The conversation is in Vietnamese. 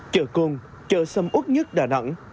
chợ côn chợ xâm út nhất đà nẵng